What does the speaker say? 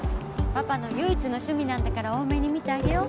パパの唯一の趣味なんだから大目に見てあげよう。